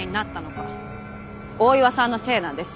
大岩さんのせいなんです。